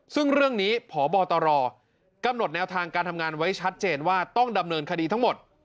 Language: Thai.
ซึ่งเรื่องนี้พบตรกำหนดแนวทางการทำงานไว้ชัดเจนว่าต้องดำเนินคดีทั้งหมด